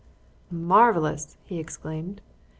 "Marvellous!" he exclaimed.